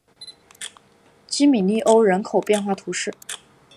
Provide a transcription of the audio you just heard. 基米利欧人口变化图示